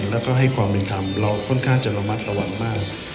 แล้วก็ให้ความเป็นธรรมเราค่อนข้างจะระมัดระวังมาก